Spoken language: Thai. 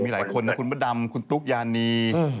มีหลายคนนะคุณพระดำคุณตุ๊กยานี